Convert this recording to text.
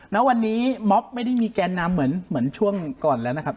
ณวันนี้ม็อบไม่ได้มีแกนนำเหมือนช่วงก่อนแล้วนะครับ